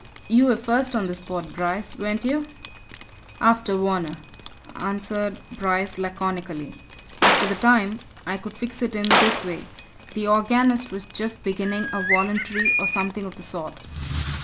"You were first on the spot, Bryce, weren't you?" "After Varner," answered Bryce laconically. "As to the time I could fix it in this way the organist was just beginning a voluntary or something of the sort."